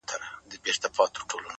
ولي دي يو انسان ته دوه زړونه ور وتراشله